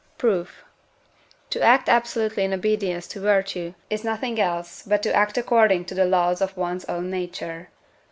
Proof. To act absolutely in obedience to virtue is nothing else but to act according to the laws of one's own nature.